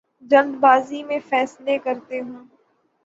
جلد بازی میں فیصلے کرتا ہوں